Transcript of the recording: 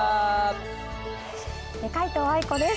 皆藤愛子です。